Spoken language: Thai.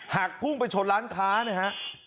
หักพุ่งไปฉดร้านค้าเนี่ยครับ